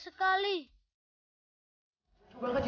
seh kesukaan kamu